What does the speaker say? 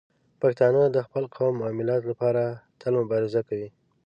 پښتانه د خپل قوم او ملت لپاره تل مبارزه کوي.